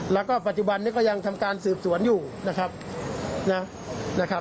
แล้วก็ปัจจุบันนี้ก็ยังทำการสืบสวนอยู่นะครับนะครับ